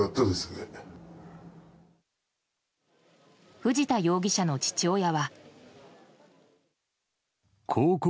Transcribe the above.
藤田容疑者の父親は。